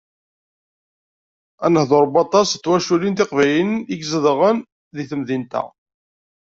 Aneḥḍur n waṭas n twaculin tiqbayliyin i izedɣen deg temdint-a.